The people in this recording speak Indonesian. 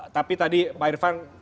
tapi tadi pak irvan